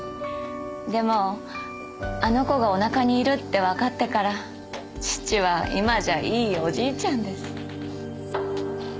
でもあの子がおなかにいるってわかってから父は今じゃあいいおじいちゃんです。